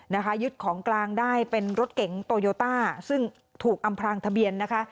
นะคะยึดของกลางได้เป็นรถเก๋งโตโยต้าซึ่งถูกอำพลางทะเบียนนะคะ